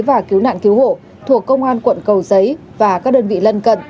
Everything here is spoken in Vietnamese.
và cứu nạn cứu hộ thuộc công an quận cầu giấy và các đơn vị lân cận